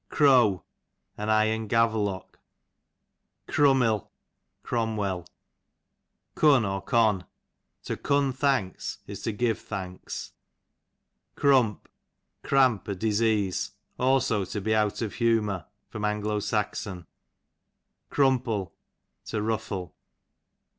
Crow, an iron gavelock. Crummil, Cromwell. Cnn, \ to cun thanks is to give Con, J thanks. Crump, cramp a disease; also to be out of humour. A. S. Crumple, to ruffle.